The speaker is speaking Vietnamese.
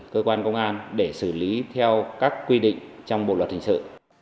các đơn vị sẽ bị xử lý theo các quy định trong bộ luật hình sự